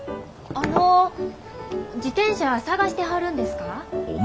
あの自転車探してはるんですか？